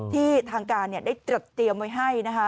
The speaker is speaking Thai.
ที่ทางการเนี่ยได้จัดเตรียมไว้ให้นะคะ